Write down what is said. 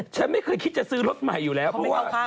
ฉันไม่เคยคิดจะซื้อรถใหม่อยู่แล้วเพราะว่า